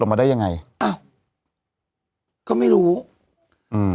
ยูคิดอะไรของยูอยูอยู่อ่ะ